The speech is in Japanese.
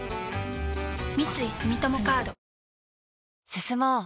進もう。